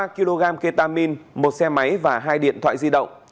ba kg ketamin một xe máy và hai điện thoại di động